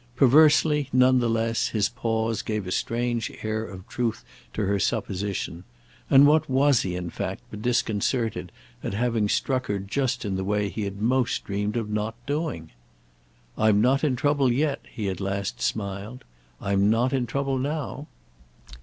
Perversely, none the less, his pause gave a strange air of truth to her supposition; and what was he in fact but disconcerted at having struck her just in the way he had most dreamed of not doing? "I'm not in trouble yet," he at last smiled. "I'm not in trouble now."